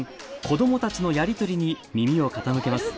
子どもたちのやり取りに耳を傾けます。